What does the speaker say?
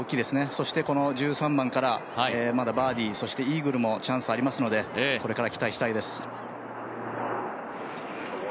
そして１３番からまだバーディー、イーグルもチャンスありますのでこれから期待したいです。